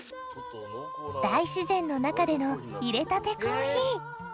大自然の中での淹れたてコーヒー